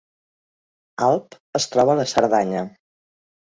Alp es troba a la Cerdanya